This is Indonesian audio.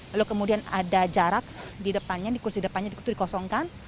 lalu kemudian ada jarak di depannya di kursi depannya dikosongkan